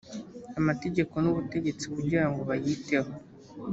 amategeko n ubutegetsi kugira ngo bayiteho